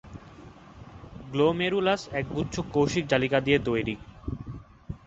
Glomerulus একগুচ্ছ কৌশিক জালিকা দিয়ে তৈরি।